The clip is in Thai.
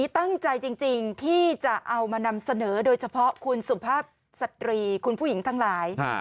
ตั้งใจจริงที่จะเอามานำเสนอโดยเฉพาะคุณสุภาพสตรีคุณผู้หญิงทั้งหลาย